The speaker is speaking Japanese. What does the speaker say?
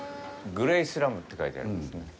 「グレイスラム」って書いてありますね。